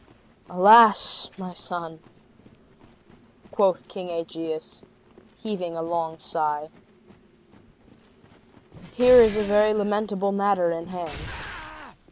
"Alas! my son," quoth King Aegeus, heaving a long sigh, "here is a very lamentable matter in hand!